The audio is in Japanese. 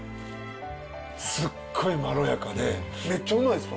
スッゴイまろやかでめっちゃうまいっすわ！